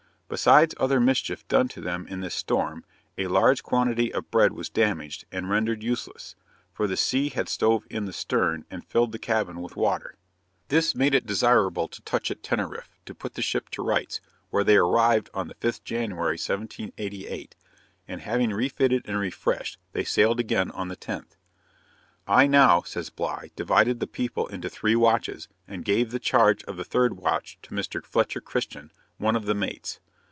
Besides other mischief done to them in this storm, a large quantity of bread was damaged and rendered useless, for the sea had stove in the stern and filled the cabin with water. This made it desirable to touch at Teneriffe to put the ship to rights, where they arrived on the 5th January, 1788, and having refitted and refreshed, they sailed again on the 10th. 'I now,' says Bligh, 'divided the people into three watches, and gave the charge of the third watch to Mr. Fletcher Christian, one of the mates.